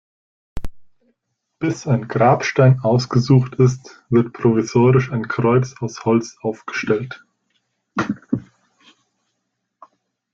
Bis ein Grabstein ausgesucht ist, wird provisorisch ein Kreuz aus Holz aufgestellt.